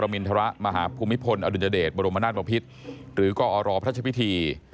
มิณฑระมหาภูมิพลอดุญเดชบรมนาสมพิษหรือกรอรอพระเจ้าพิธี